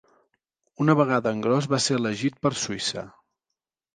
Una vegada en Gross va ser elegit per Suïssa.